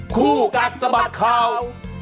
คู่กัดสะบัดข่าว